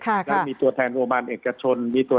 ทั่วประเทศและมีตัวแทนโรงพยาบาลเอกชน